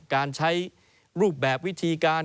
การใช้รูปแบบวิธีการ